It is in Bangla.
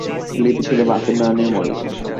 ছেলেটি ছিল বাপের নয়নের মণি।